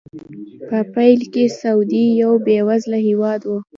په پیل کې سعودي یو بې وزله هېواد و.